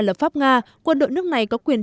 lập pháp nga quân đội nước này có quyền